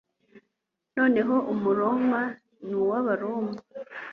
Noneho Umuroma ni uwAbaroma